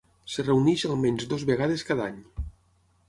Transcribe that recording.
Es reuneix almenys dues vegades cada any.